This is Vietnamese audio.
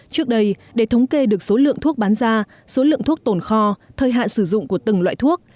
trước đây để thống kê được số lượng thuốc bán ra số lượng thuốc tồn kho thời hạn sử dụng của từng loại thuốc